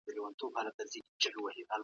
لخوا د خپل هيواد پر ضد وکارول سو، بلکي د